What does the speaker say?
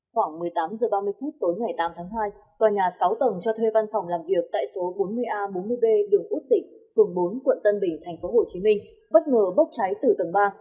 khoảng một mươi tám h ba mươi phút tối ngày tám tháng hai tòa nhà sáu tầng cho thuê văn phòng làm việc tại số bốn mươi a bốn mươi b đường út tịch phường bốn quận tân bình tp hcm bất ngờ bốc cháy từ tầng ba